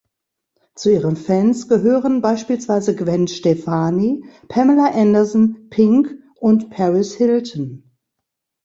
Zu ihren Fans gehören beispielsweise Gwen Stefani, Pamela Anderson, Pink und Paris Hilton.